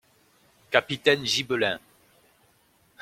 - Capitaines gibelins.